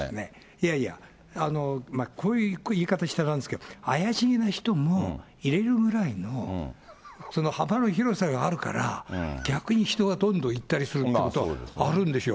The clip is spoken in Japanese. いやいや、こういういい方したらあれなんですけど、怪しげな人も、入れるぐらいの、その幅の広さがあるから、逆に人がどんどん行ったりするということはあるんですよ。